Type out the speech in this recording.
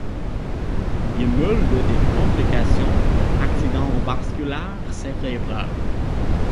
Il meurt le des complications d'un accident vasculaire cérébral.